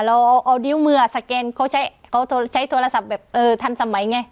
เราเอานิ้วมือสแกนเขาใช้เขาใช้โทรศัพท์แบบเออทันสมัยไง